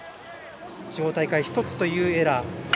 地方大会１つというエラー。